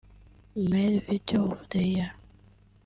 Male Video Of The Year